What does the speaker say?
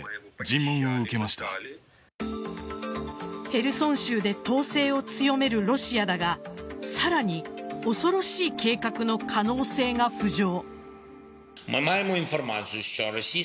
ヘルソン州で統制を強めるロシアだがさらに恐ろしい計画の可能性が浮上。